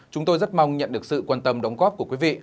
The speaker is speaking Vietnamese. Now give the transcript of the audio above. chúng tôi rất mong nhận được sự quan tâm đóng góp của quý vị